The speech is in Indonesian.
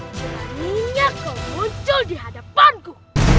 jadinya kau muncul di hadapanku